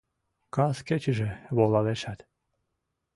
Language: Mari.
Кас кечыже волалешат